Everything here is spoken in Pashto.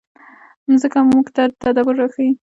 مځکه موږ ته تدبر راښيي.